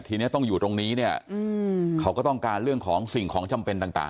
ทีนี้ต้องอยู่ตรงนี้เนี่ยเขาก็ต้องการเรื่องของสิ่งของจำเป็นต่าง